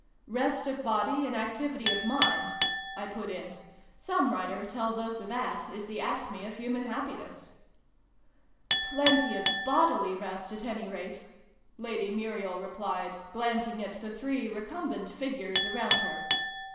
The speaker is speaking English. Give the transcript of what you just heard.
" Rest of body, and activity of mind," I put in. " Some writer tells us that is the acme of human happiness." " Plenty of bodily rest, at any rate !" Lady Muriel replied, glancing at the three recum bent figures around her.